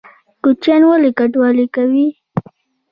کوچیان ولې کډوالي کوي؟